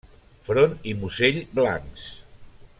Front i musell blancs.